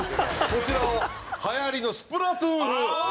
こちらは流行りの『スプラトゥーン』風。